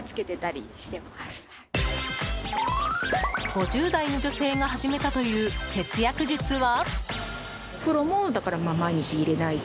５０代の女性が始めたという節約術は。